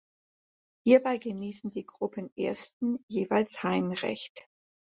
Hierbei genießen die Gruppenersten jeweils Heimrecht.